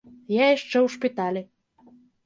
Я яшчэ ў шпіталі.